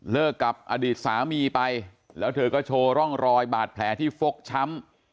กับอดีตสามีไปแล้วเธอก็โชว์ร่องรอยบาดแผลที่ฟกช้ำ